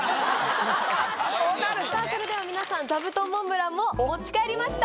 それでは皆さん座布団モンブランも持ち帰りました。